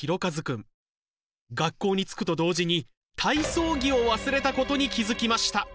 学校に着くと同時に体操着を忘れたことに気付きました。